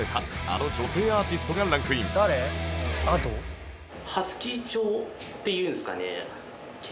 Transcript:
あの女性アーティストがランクインっていうんですかね？